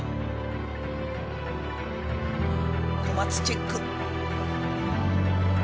小松チェック。